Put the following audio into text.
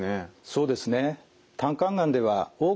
そうですね。